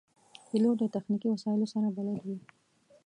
پیلوټ د تخنیکي وسایلو سره بلد وي.